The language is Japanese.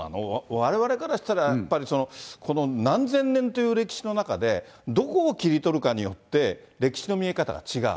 われわれからしたら、やっぱりこの何千年という歴史の中で、どこを切り取るかによって、歴史の見え方が違う。